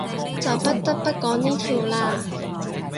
就不得不講呢條喇